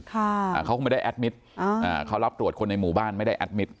อ่าเขาก็ไม่ได้แอดมิตรอ่าอ่าเขารับตรวจคนในหมู่บ้านไม่ได้แอดมิตร